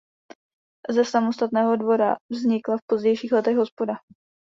Ze samostatného dvora vznikla v pozdějších letech hospoda.